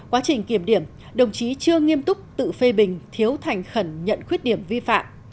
quá trình kiểm điểm đồng chí chưa nghiêm túc tự phê bình thiếu thành khẩn nhận khuyết điểm vi phạm